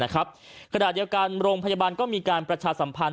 ขณะเดียวกันโรงพยาบาลก็มีการประชาสัมพันธ